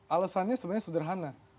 alasannya sebenarnya sederhana